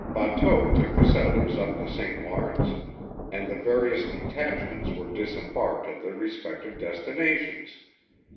Bateaux took the settlers up the St Lawrence, and the various detachments were disembarked at their respective destinations.